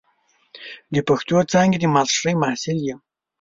د پښتو څانګې د ماسترۍ محصل یم.